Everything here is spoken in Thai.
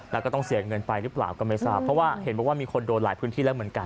แล้วก็ต้องเสียเงินไปหรือเปล่าก็ไม่ทราบเพราะว่าเห็นบอกว่ามีคนโดนหลายพื้นที่แล้วเหมือนกัน